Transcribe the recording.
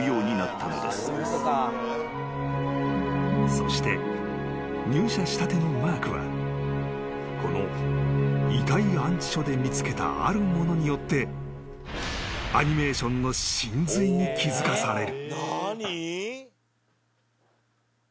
［そして入社したてのマークはこの遺体安置所で見つけたあるものによってアニメーションの神髄に気付かされる］